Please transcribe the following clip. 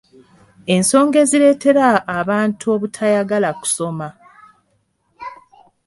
ensonga ezireetera abantu obutayagala kusoma.